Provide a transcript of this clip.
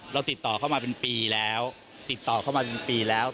เราติดต่อเข้ามาเป็นปีแล้วติดต่อเข้ามาเป็นปีแล้ว